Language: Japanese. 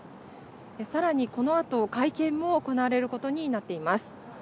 さらにこのあと会見も行われることになっています。